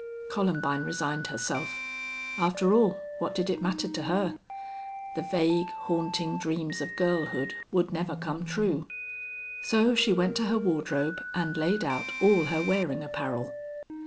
Columbine resigned herself. After all, what did it matter to her? The vague, haunting dreams of girlhood would never come true. So she went to her wardrobe and laid out all her wearing apparel.